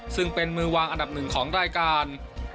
ซึ่งเป็นมือวางอันดับหนึ่งของรายการ